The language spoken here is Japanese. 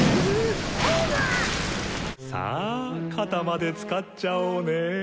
さあ肩までつかっちゃおうね